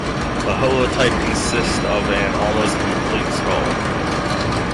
The holotype consists of an almost complete skull.